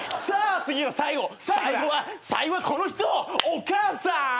さあ次は最後最後はこの人お母さん。